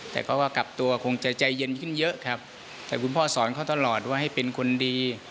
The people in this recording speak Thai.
แต่เขาก็กลับตัวคงจะใจเย็นขึ้นเยอะครับแต่คุณพ่อสอนเขาตลอดว่าให้เป็นคนดี